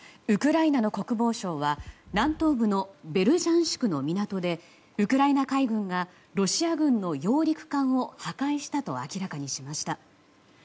ウクライナの国防省は南東部のベルジャンシクの港でウクライナ海軍がロシア軍の揚陸艦を破壊したと明らかにしました。